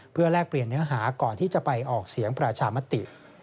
เพื่อแลกเปลี่ยนเนื้อหาก่อนที่จะไปออกเสียงประชามติ